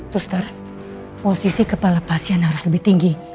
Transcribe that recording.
dokter posisi kepala pasien harus lebih tinggi